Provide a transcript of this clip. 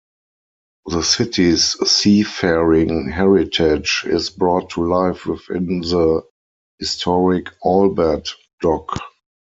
The city's seafaring heritage is brought to life within the historic Albert Dock.